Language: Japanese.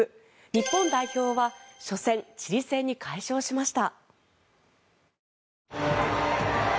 日本代表は初戦、チリ戦に快勝しました。